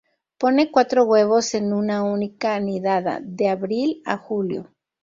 Pone cuatro huevos en una única nidada, de abril a julio.